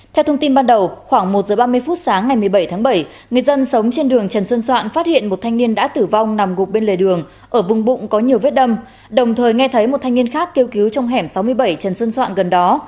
theo thông tin ban đầu khoảng một giờ ba mươi phút sáng ngày một mươi bảy tháng bảy người dân sống trên đường trần xuân soạn phát hiện một thanh niên đã tử vong nằm gục bên lề đường ở vùng bụng có nhiều vết đâm đồng thời nghe thấy một thanh niên khác kêu cứu trong hẻm sáu mươi bảy trần xuân soạn gần đó